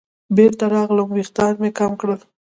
بېرته راغلم ویښتان مې کم کړل.